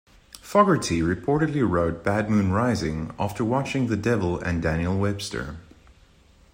Fogerty reportedly wrote "Bad Moon Rising" after watching "The Devil and Daniel Webster".